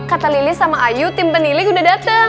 kata lili sama ayu tim penilik udah dateng